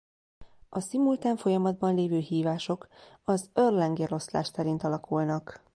A szimultán folyamatban lévő hívások az Erlang eloszlás szerint alakulnak.